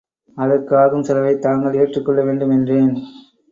அதற்கு ஆகும் செலவைத் தாங்கள் ஏற்றுக் கொள்ள வேண்டும் என்றேன்.